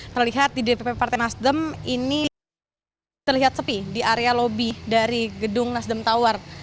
terlihat di dpp partai nasdem ini terlihat sepi di area lobi dari gedung nasdem tawar